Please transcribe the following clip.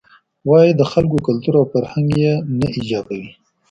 وایې د خلکو کلتور او فرهنګ یې نه ایجابوي.